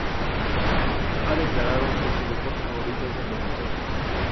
Ha declarado que su deporte favorito es el baloncesto.